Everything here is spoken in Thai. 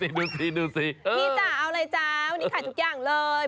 พี่จ๊ะเอาอะไรจ๊ะวันนี้ขายทุกอย่างเลย